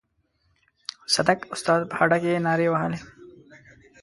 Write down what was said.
صدک استاد په هډه کې نارې وهلې.